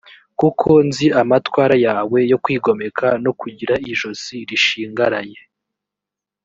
kuko nzi amatwara yawe yo kwigomeka no kugira ijosi rishingaraye.